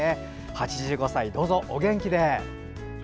８５歳、どうぞお元気で。